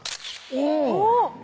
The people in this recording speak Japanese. おっ！